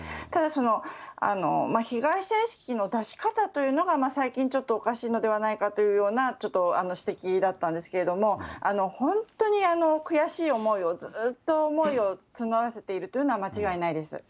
ただ、被害者意識の出し方というのが、最近ちょっとおかしいのではないかというようなちょっと指摘だったんですけれども、本当に悔しい思いを、ずっと思いを募らせているというのは間違いないです。